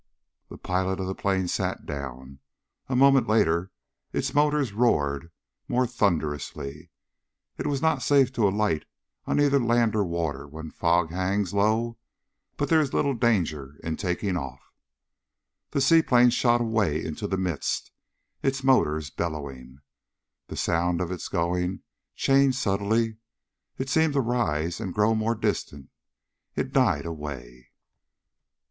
The pilot of the plane sat down. A moment later its motors roared more thunderously. It is not safe to alight on either land or water when fog hangs low, but there is little danger in taking off. The seaplane shot away into the mist, its motors bellowing. The sound of its going changed subtly. It seemed to rise, and grow more distant.... It died away.